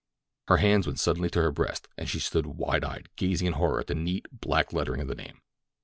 Her hands went suddenly to her breast as she stood wide eyed, gazing in horror at the neat, black lettering of the name.